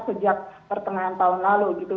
sejak pertengahan tahun lalu gitu